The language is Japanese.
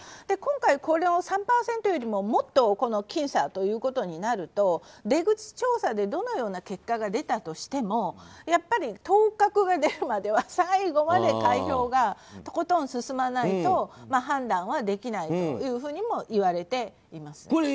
今回これを３％よりももっと僅差ということになると出口調査でどのような結果が出たとしてもやっぱり、当確が出るまでは最後まで開票がとことん進まないと判断はできないというふうにもいわれています。